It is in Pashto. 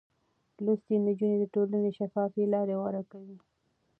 لوستې نجونې د ټولنې شفافې لارې غوره کوي.